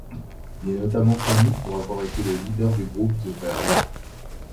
Il est notamment connu pour avoir été le leader du groupe The Verve.